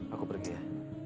aku pergi ya